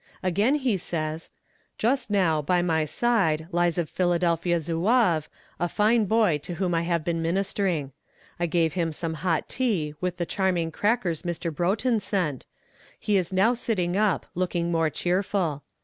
Again he says: "Just now, by my side, lies a Philadelphia zouave, a fine boy to whom I have been ministering. I gave him some hot tea, with the charming crackers Mr. Broughton sent; he is now sitting up, looking more cheerful.